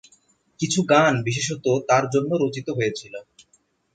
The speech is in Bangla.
কিছু গান বিশেষত তাঁর জন্য রচিত হয়েছিল।